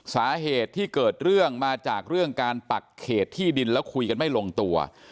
สาเหตุที่เกิดเรื่องมาจากเรื่องการปักเขตที่ดินแล้วคุยกันไม่ลงตัว